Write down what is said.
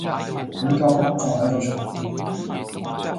你夠膽就喺度除褲